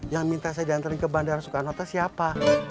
yang minta saya diantarin ke bandara soekarno hatta siapa